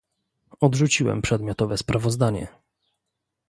Odrzuciłem przedmiotowe sprawozdanie